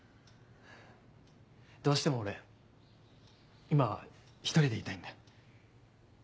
どうしても俺今は一人でいたいんだ。